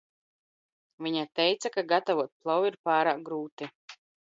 Viņa teica, ka gatavot plovu ir pārāk grūti.